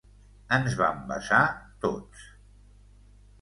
Ens vam besar, tots.